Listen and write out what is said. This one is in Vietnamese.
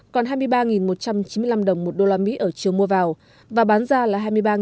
còn hai mươi ba một trăm chín mươi năm đồng một đô la mỹ ở chiều mua vào và bán ra là hai mươi ba hai trăm hai mươi năm đồng một đô la mỹ